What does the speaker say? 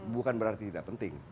bukan berarti tidak penting